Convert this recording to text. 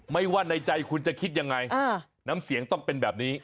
ว่าในใจคุณจะคิดยังไงน้ำเสียงต้องเป็นแบบนี้